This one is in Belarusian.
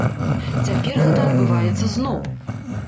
Цяпер гэта адбываецца зноў.